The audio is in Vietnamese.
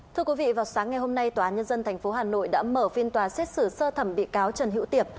thưa quý vị vào sáng ngày hôm nay tòa án nhân dân tp hà nội đã mở phiên tòa xét xử sơ thẩm bị cáo trần hữu tiệp